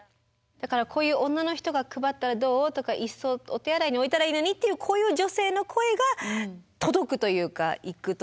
だからこういう「女の人が配ったらどう？」とか「いっそお手洗いに置いたらいいのに」っていうこういう女性の声が届くというかいくといい。